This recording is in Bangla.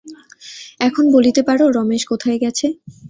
এখন বলিতে পারো রমেশ কোথায় গেছে?